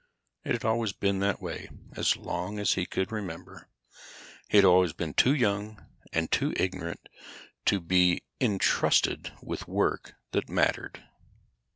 It had always been that way, as long as he could remember. He had always been too young and too ignorant to be intrusted with work that mattered.